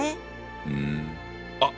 うん。あっ！